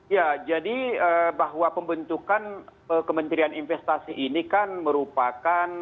ya jadi bahwa pembentukan kementerian investasi ini kan merupakan